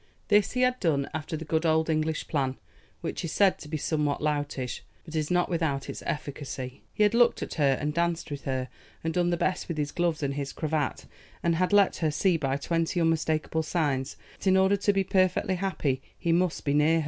This he had done after the good old English plan, which is said to be somewhat loutish, but is not without its efficacy. He had looked at her, and danced with her, and done the best with his gloves and his cravat, and had let her see by twenty unmistakable signs that in order to be perfectly happy he must be near her.